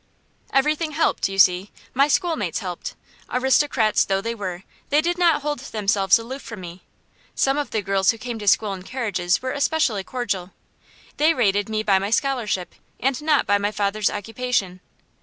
Everything helped, you see. My schoolmates helped. Aristocrats though they were, they did not hold themselves aloof from me. Some of the girls who came to school in carriages were especially cordial. They rated me by my scholarship, and not by my father's occupation.